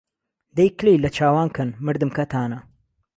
دهی کلهی له چاوان کهن، مردم کهتانه